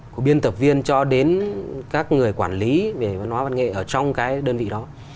của biên tập viên cho đến các người quản lý về văn hóa văn nghệ ở trong cái đơn vị đó